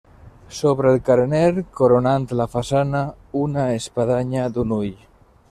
Sobre el carener, coronant la façana, una espadanya d'un ull.